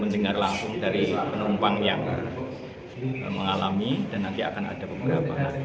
mendengar langsung dari penumpang yang mengalami dan nanti akan ada beberapa